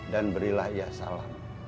dan berilah ia salam